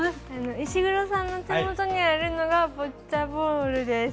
石黒さんの手元にあるのがボッチャボールです。